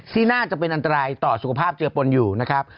ที่น่าจะเป็นอันตรายต่อสุขภาพเจอปนอยู่นะครับ